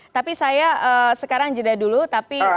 tapi saya sekarang jeda dulu tapi